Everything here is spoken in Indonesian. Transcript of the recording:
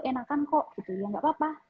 enakan kok ya gak apa apa